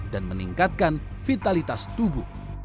dan meningkatkan vitalitas tubuh